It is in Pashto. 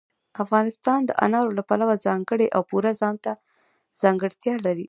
افغانستان د انارو له پلوه خپله ځانګړې او پوره ځانته ځانګړتیا لري.